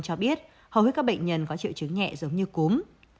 cho biết hầu hết các bệnh nhân có triệu chứng nhẹ giống như cúm